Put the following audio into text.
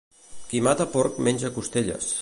Qui mata porc menja costelles.